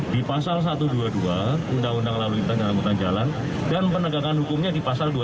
di pasal satu ratus dua puluh dua undang undang lalu intang undang jalan dan penegakan hukumnya di pasal dua ratus sembilan puluh sembilan